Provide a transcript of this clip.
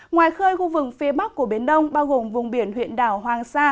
ngoài khơi khu vực phía bắc của biển đông bao gồm vùng biển huyện đảo hoàng sa